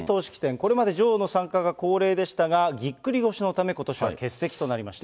これまで女王の参加が恒例でしたが、ぎっくり腰のため、ことしは欠席となりました。